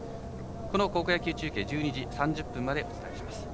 この高校野球中継１２時３０分までお伝えします。